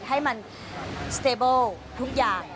ให้มันสเตเบิลทุกอย่าง